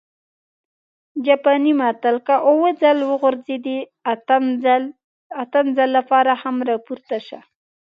جاپانى متل: که اووه ځل وغورځېدې، اتم ځل لپاره هم راپورته شه!